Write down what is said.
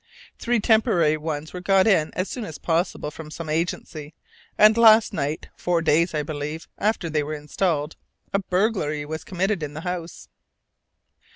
Three temporary ones were got in as soon as possible from some agency; and last night (four days, I believe, after they were installed) a burglary was committed in the house.